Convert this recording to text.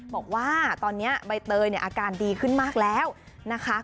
บอกว่าตอนนี้ใบเตยเนี่ยอาการดีขึ้นมากแล้วนะคะ